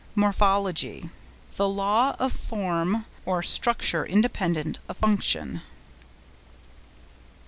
MORPHOLOGY.—The law of form or structure independent of function.